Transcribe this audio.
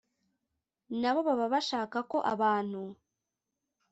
na bo baba bashaka ko abantu